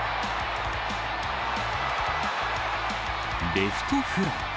レフトフライ。